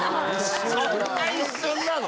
そんな一瞬なの？